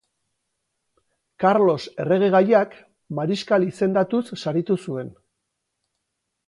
Karlos erregegaiak mariskal izendatuz saritu zuen.